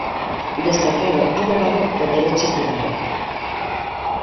Destacado abogado de derecho privado.